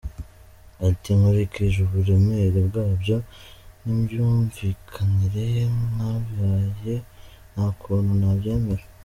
Ati:"Nkurikije uburemere bwabyo, n’imyumvikanire mwabihaye, nta kuntu ntabyemera".